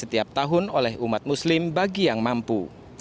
setiap tahun oleh umat muslim bagi yang mampu